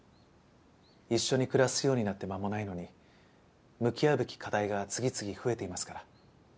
一緒に暮らすようになってまもないのに向き合うべき課題が次々増えていますから。